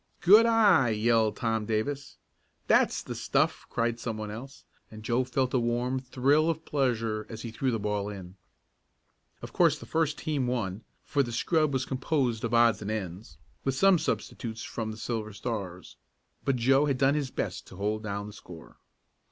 "Good eye!" yelled Tom Davis. "That's the stuff!" cried some one else, and Joe felt a warm thrill of pleasure as he threw the ball in. Of course the first team won, for the scrub was composed of odds and ends, with some substitutes from the Silver Stars, but Joe had done his best to hold down the score.